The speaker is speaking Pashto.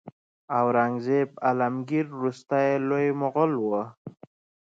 اورنګزیب عالمګیر وروستی لوی مغول و.